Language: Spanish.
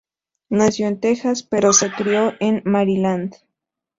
Nació en Texas, pero se crio en Maryland.